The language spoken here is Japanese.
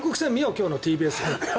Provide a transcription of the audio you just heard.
今日のＴＢＳ。